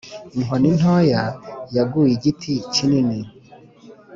inkoni ntoya yaguye igiti kinini